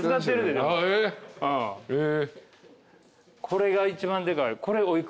これが一番でかい。